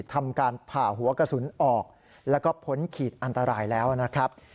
ทำการผ่าหัวกระสุนออกแล้วก็พ้นขีดอันตรายแล้วนะครับ